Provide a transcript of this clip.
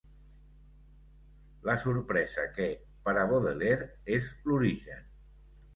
La sorpresa que, per a Baudelaire, és l'origen.